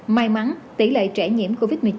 may mắn tỷ lệ trẻ nhiễm covid một mươi chín